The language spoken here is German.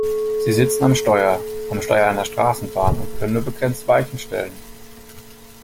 Sie sitzen am Steuer - am Steuer einer Straßenbahn und können nur begrenzt Weichen stellen.